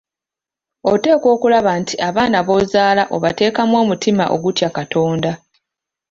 Oteekwa okulaba nti abaana b’ozaala obateekamu omutima ogutya Katonda.